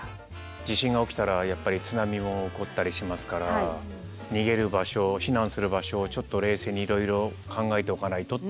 地震が起きたらやっぱり津波も起こったりしますから逃げる場所避難する場所をちょっと冷静にいろいろ考えておかないとっていう。